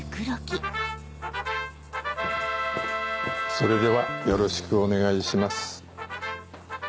それではよろしくお願いします。